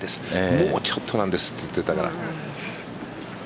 もうちょっとなんですと言っていたから。